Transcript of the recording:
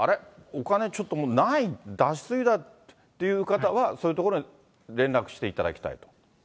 お金ちょっともうない、出し過ぎだっていう方は、そういうところに連絡していただきたいと。